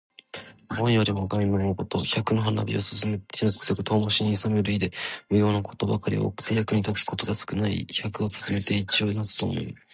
益よりも害の多いこと。百の華美を勧めて一の節約を遠回しにいさめる意で、無用のことばかり多くて、役に立つことが少ない意。「百を勧めて一を諷す」とも読む。